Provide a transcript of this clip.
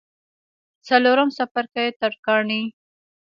څلورم څپرکی: ترکاڼي